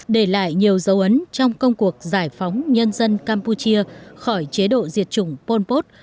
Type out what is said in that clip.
để lại nhiều dấu ấn trong công cuộc giải phóng nhân dân campuchia khỏi chế độ diệt chủng pol pot